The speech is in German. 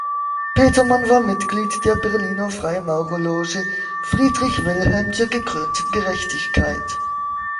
Petermann war Mitglied der Berliner Freimaurerloge "Friedrich Wilhelm zur gekrönten Gerechtigkeit".